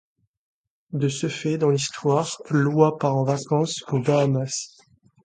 De ce fait dans l'histoire, Lois part en vacances aux Bahamas.